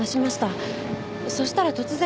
そしたら突然。